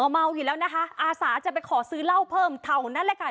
เมาอยู่แล้วนะคะอาสาจะไปขอซื้อเหล้าเพิ่มเท่านั้นแหละค่ะ